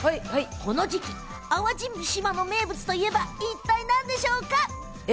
この時期、淡路島の名物といえばいったい何でしょうか？